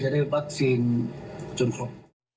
ได้วัคซีนจนครบ